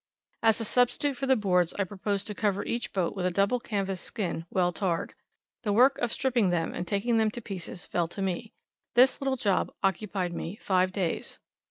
As a substitute for the boards, I proposed to cover each boat with a double canvas skin well tarred. The work of stripping them and taking them to pieces fell to me. This little job occupied me five days.